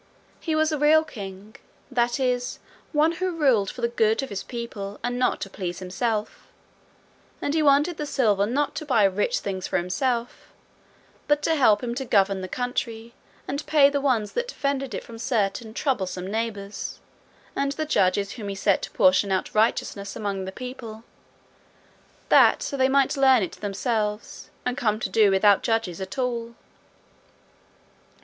He was a real king that is, one who ruled for the good of his people and not to please himself, and he wanted the silver not to buy rich things for himself, but to help him to govern the country, and pay the ones that defended it from certain troublesome neighbours, and the judges whom he set to portion out righteousness among the people, that so they might learn it themselves, and come to do without judges at all.